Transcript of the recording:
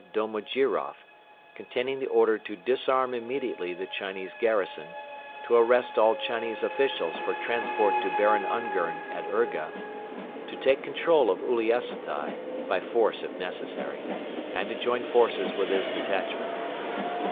N. Domojiroff, containing the order to disarm immediately the Chinese garrison, to arrest all Chinese officials for transport to Baron Ungern at Urga, to take control of Uliassutai, by force if necessary, and to join forces with his detachment.